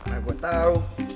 ah gue tau